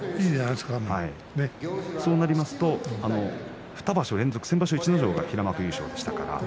そうなりますと２場所連続先場所は逸ノ城が平幕優勝でした。